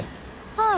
はい。